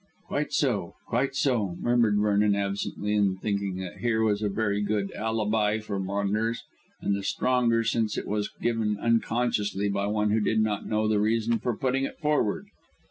"Quite so, quite so," murmured Vernon absently and thinking that here was a very good alibi for Maunders, and the stronger since it was given unconsciously by one who did not know the reason for putting it forward.